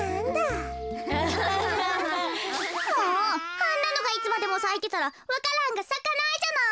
あんなのがいつまでもさいてたらわか蘭がさかないじゃない。